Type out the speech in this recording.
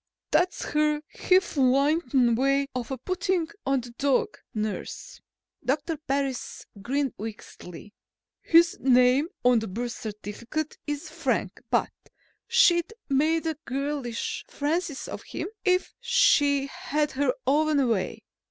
"That's her hifalutin way of putting on the dog, nurse," Doctor Parris grinned wickedly. "His name on the birth certificate is Frank but she'd make a girlish Francis of him if she had her own way.